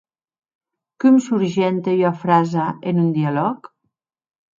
Com surgente ua frasa en un dialòg?